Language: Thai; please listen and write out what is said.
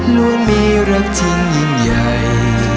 โน้นมีรักจริงยิ่งใหญ่